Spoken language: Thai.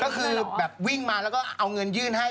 ก็คือแบบวิ่งมาแล้วก็เอาเงินยื่นให้